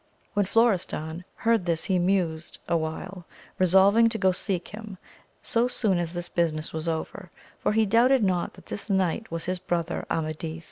When Florestan heard this he mused awhile resolving to go seek him, so soon as this busi ness was over, for he doubted not that this knight was his brother Amadis.